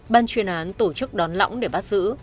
ban chuyên án tổ chức đón lõng để bắt giữ